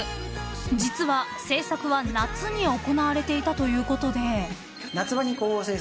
［実は制作は夏に行われていたということで］